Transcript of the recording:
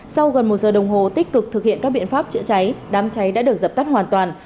sau gần một giờ đồng hồ tích cực thực hiện các biện pháp chữa cháy đám cháy đã được dập tắt hoàn toàn